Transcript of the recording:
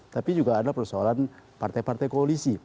tapi juga ada persoalan partai partai koalisi